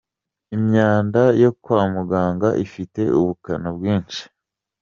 Imyanda yo kwa muganga ifite ubukana bwinshi